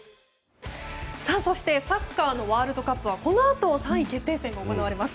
そしてサッカーのワールドカップはこのあと３位決定戦が行われます。